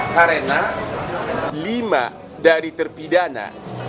karena lima dari terpidana